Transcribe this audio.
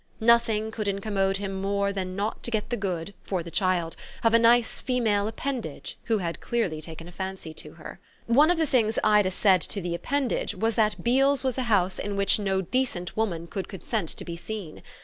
Nothing could incommode him more than not to get the good, for the child, of a nice female appendage who had clearly taken a fancy to her. One of the things Ida said to the appendage was that Beale's was a house in which no decent woman could consent to be seen.